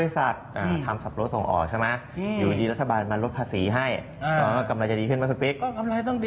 แต่ถ้าช่วงระดูกที่เขาออกตามตรง